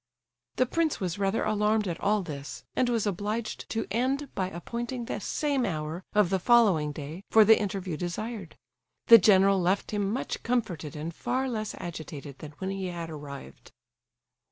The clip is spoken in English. The prince was rather alarmed at all this, and was obliged to end by appointing the same hour of the following day for the interview desired. The general left him much comforted and far less agitated than when he had arrived.